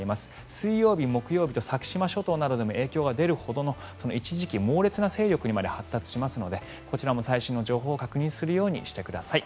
水曜日、木曜日と先島諸島などでも影響が出るほどの一時期、猛烈な勢力にまで発達しますのでこちらも最新の情報を確認するようにしてください。